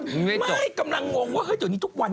ไม่กำลังงงว่าเฮ้ยเดี๋ยวนี้ทุกวัน